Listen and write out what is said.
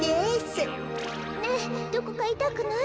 ねえどこかいたくない？